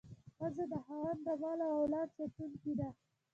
ښځه د خاوند د مال او اولاد ساتونکې ده.